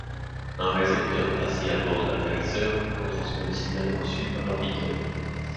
Un récepteur placé à bord de l'atterrisseur retransmet le signal reçu à l'orbiteur.